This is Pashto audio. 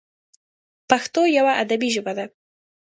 پښتو یوه ادبي ژبه ده.